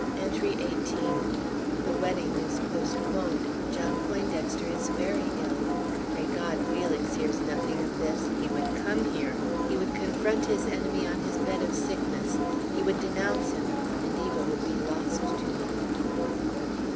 ENTRY XVIII. The wedding is postponed. John Poindexter is very ill. Pray God, Felix hears nothing of this. He would come here; he would confront his enemy on his bed of sickness. He would denounce him, and Eva would be lost to me.